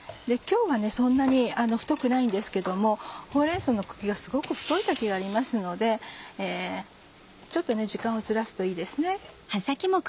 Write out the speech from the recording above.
今日はそんなに太くないんですけどもほうれん草の茎がすごく太い時がありますのでちょっと時間をずらすといいですね。